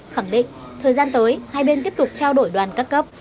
khẳng định thời gian tới hai bên tiếp tục trao đổi đoàn các cấp